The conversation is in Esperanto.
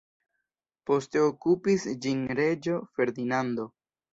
Poste okupis ĝin reĝo Ferdinando.